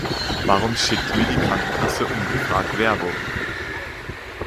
Warum schickt mir die Krankenkasse ungefragt Werbung?